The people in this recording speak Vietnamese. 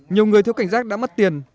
nhiều người thiếu cảnh giác đã mất tiền